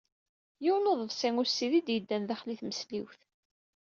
Yiwen uḍebsi ussid i d-yeddan daxel i tmesliwt.